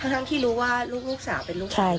ทั้งที่รู้ว่าลูกสาวเป็นลูกชาย